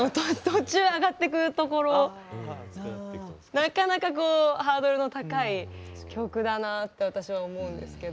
なかなかこうハードルの高い曲だなって私は思うんですけど。